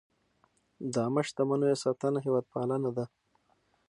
د عامه شتمنیو ساتنه هېوادپالنه ده.